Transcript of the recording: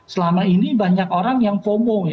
selama ini banyak orang yang fomo